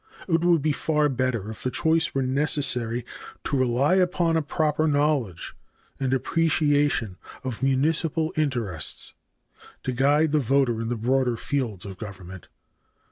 It would be far better if the choice were necessary to rely upon a proper knowledge and appreciation of municipal interests to guide the voter in the broader fields of government.